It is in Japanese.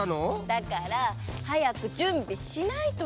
だからはやくじゅんびしないとなの。